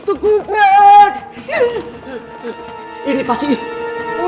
tidak ada yang mengampuni hantu